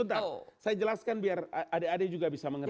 sebentar saya jelaskan biar adik adik juga bisa mengerti